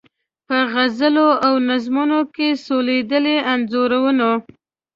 په غزلو او نظمو کې سولیدلي انځورونه